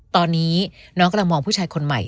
ตอนนี้น้องกำลังมองผู้ชายคนใหม่